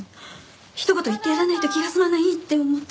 ひと言言ってやらないと気が済まないって思って。